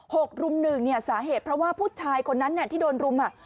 หกรุมหนึ่งสาเหตุเพราะว่าผู้ชายคนนั้นที่โดนรุม